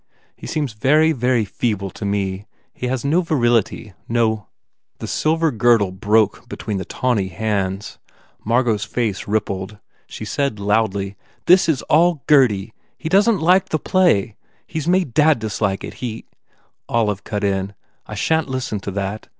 He seems very, very feeble to me. He has no virility, no " The silver girdle broke between the tawny hands. Margot s face rippled. She said loudly, "This is all Gurdy! He doesn t like the play! He s made dad dislike it. He" Olive cut in, "I shan t listen to that!